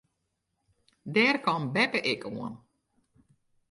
Dêr kaam beppe ek oan.